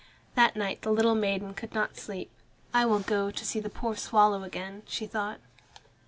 That night the little maiden could not sleep. "I will go to see the poor swallow again," she thought.